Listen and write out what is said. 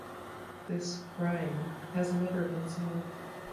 This crime has never been solved.